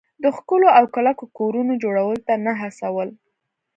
د ښکلو او کلکو کورونو جوړولو ته نه هڅول.